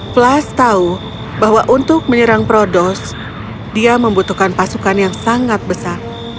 flash tahu bahwa untuk menyerang prodos dia membutuhkan pasukan yang sangat besar